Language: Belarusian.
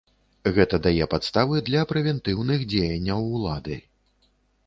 Гэта дае падставы для прэвентыўных дзеянняў улады.